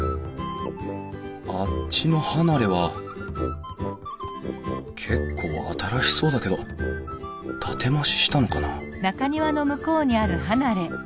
あっちの離れは結構新しそうだけど建て増ししたのかな？